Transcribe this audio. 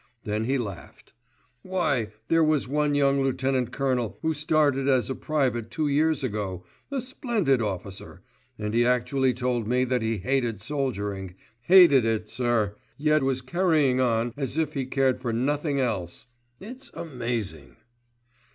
Then he laughed, "Why there was one young lieutenant colonel who started as a private two years ago, a splendid officer, and he actually told me that he hated soldiering, hated it, sir, yet was carrying on as if he cared for nothing else. It's amazing!